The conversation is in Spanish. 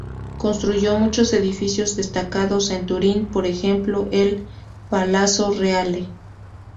Construyó muchos edificios destacados en Turín, por ejemplo el Palazzo Reale.